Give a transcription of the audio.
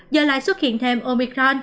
giờ lại xuất hiện thêm omicron